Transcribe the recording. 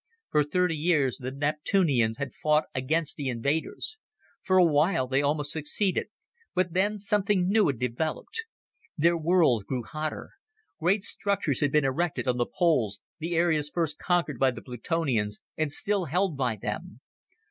For thirty years the Neptunians had fought against the invaders. For a while they almost succeeded, but then something new had developed. Their world grew hotter. Great structures had been erected on the poles, the areas first conquered by the Plutonians and still held by them.